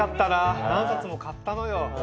何冊も買ったのよ。